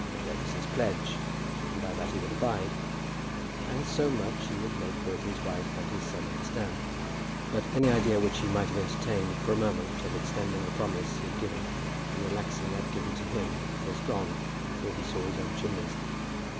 There was his pledge, and by that he would abide; and so much he would make both his wife and his son understand. But any idea which he might have entertained for a moment of extending the promise he had given and relaxing that given to him was gone before he saw his own chimneys.